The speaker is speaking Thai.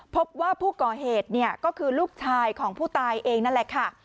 พบว่าผู้ก่อเหตุเนี่ยก็คือลูกชายของผู้ตายเองนั่นแหละค่ะ